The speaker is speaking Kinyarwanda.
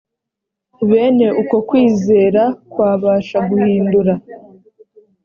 bene uko kwizera kwabasha guhindura